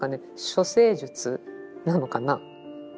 処世術なのかな？